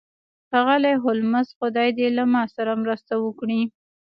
ښاغلی هولمز خدای دې له ما سره مرسته وکړي